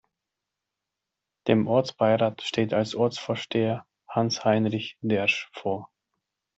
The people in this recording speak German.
Dem Ortsbeirat steht als Ortsvorsteher Hans Heinrich Dersch vor.